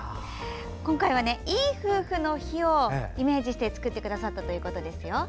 今回は、いい夫婦の日をイメージして作ってくださったということです。